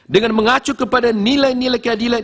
dengan mengacu kepada nilai nilai keadilan